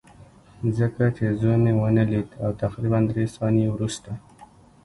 ځکه چې زوی مې ونه لید او تقریبا درې ثانیې وروسته